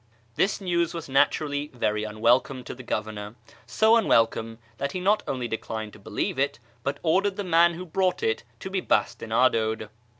This news was naturally very unwelcome to the Governor — so unwelcome that he not only declined to believe it, but ordered the man who brought it to be bastinadoed.